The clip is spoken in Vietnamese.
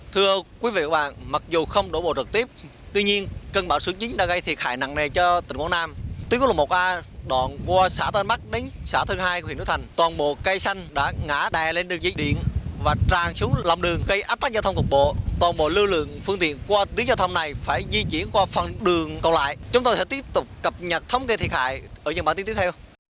thưa quý vị và các bạn mặc dù không đổ bộ trực tiếp tuy nhiên cơn bão số chín đã gây thiệt hại nặng nề cho tỉnh quảng nam tỉnh quốc lộ một a đoạn qua xã tân bắc đến xã thương hai của huyện núi thành toàn bộ cây xanh đã ngã đè lên đường diễn điện và tràn xuống lòng đường gây ách tắc giao thông cục bộ toàn bộ lưu lượng phương tiện qua tiến giao thông này phải di chuyển qua phần đường còn lại chúng tôi sẽ tiếp tục cập nhật thông kê thiệt hại ở những bản tin tiếp theo